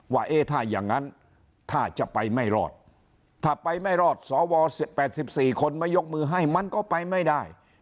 ว่าเอ๊ะถ้าอย่างนั้นถ้าจะไปไม่รอดถ้าไปไม่รอดสว๘๔คนไม่ยกมือให้มันก็ไปไม่ได้